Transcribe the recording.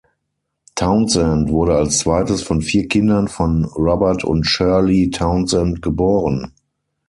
Townsend wurde als zweites von vier Kindern von Robert und Shirley Townsend geboren.